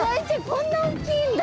こんな大きいんだ。